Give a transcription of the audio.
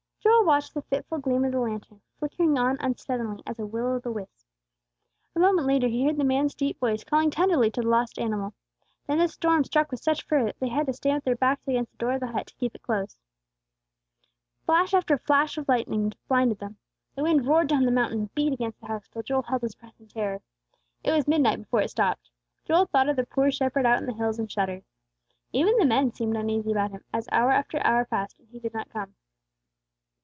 Joel watched the fitful gleam of the lantern, flickering on unsteadily as a will o' the wisp. A moment later he heard the man's deep voice calling tenderly to the lost animal; then the storm struck with such fury that they had to stand with their backs against the door of the hut to keep it closed. Flash after flash of lightning blinded them. The wind roared down the mountain and beat against the house till Joel held his breath in terror. It was midnight before it stopped. Joel thought of the poor shepherd out on the hills, and shuddered. Even the men seemed uneasy about him, as hour after hour passed, and he did not come.